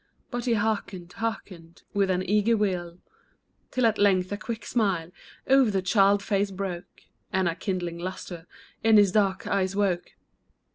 But he hearkened, hearkened, With an eager will, Till at length a quick smile O'er the child face broke, And a kindling lustre In his dark eyes woke.